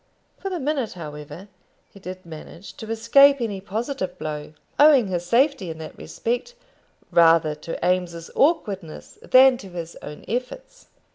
For the minute, however, he did manage to escape any positive blow, owing his safety in that respect rather to Eames's awkwardness than to his own efforts.